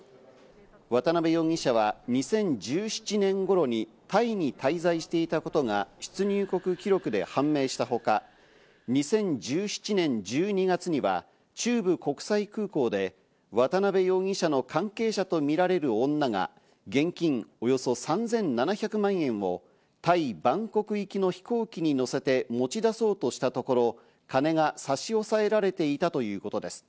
渡辺容疑者は２０１７年頃にタイに滞在していたことが出入国記録で判明したほか、２０１７年１２月には中部国際空港で渡辺容疑者の関係者とみられる女が現金およそ３７００万円をタイ・バンコク行きの飛行機に乗せて持ち出そうとしたところ、金が差し押さえられていたということです。